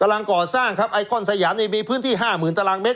กำลังก่อสร้างครับไอคอนสยามนี่มีพื้นที่๕๐๐๐ตารางเมต